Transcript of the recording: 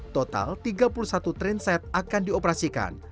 total tiga puluh satu train set akan dioperasikan